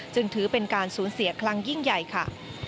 จึงถือเป็นการสูญเสียครั้งยิ่งใหญ่ค่ะ